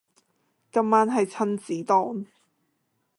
今晚係親子丼